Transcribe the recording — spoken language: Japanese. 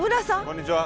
こんにちは。